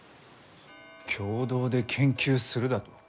共同で研究するだと？